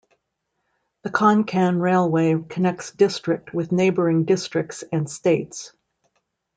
The Konkan railway connects district with neighboring districts and states.